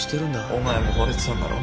お前も惚れてたんだろ？